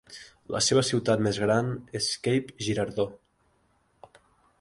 La seva ciutat més gran és Cape Girardeau.